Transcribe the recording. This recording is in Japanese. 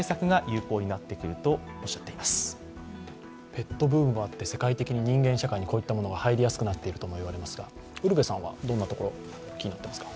ペットブームもあって世界的に人間社会にこういったものが入りやすくなっているというのもありますがどんなところ気になってますか？